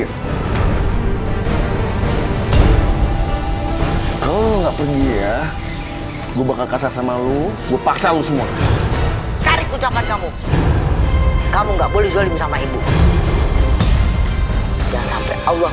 beri perjalanan ya allah beri perjalanan ya allah